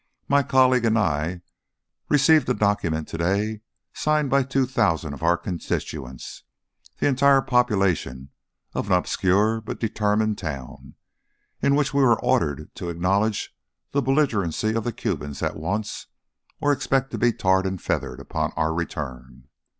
"My colleague and I received a document today, signed by two thousand of our constituents, the entire population of an obscure but determined town, in which we were ordered to acknowledge the belligerency of the Cubans at once or expect to be tarred and feathered upon our return.